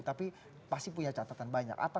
tapi pasti punya catatan banyak